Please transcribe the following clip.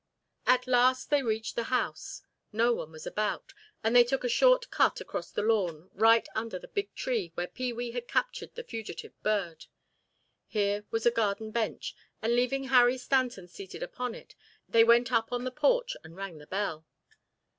At last they reached the house. No one was about, and they took a short cut across the lawn, right under the big tree where Pee wee had captured the fugitive bird. Here was a garden bench and leaving Harry Stanton seated upon it, they went up on the porch and rang the bell.